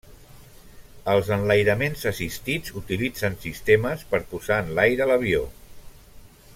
Els enlairaments assistits utilitzen sistemes per posar en l'aire l'avió.